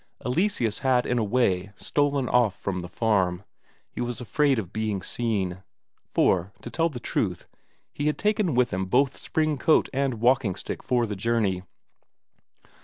Eleseus had in a way stolen off from the farm; he was afraid of being seen. For, to tell the truth, he had taken with him both spring coat and walking stick for the journey.